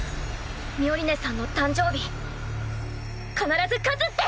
ミオリネさんの誕生日必ず勝つって！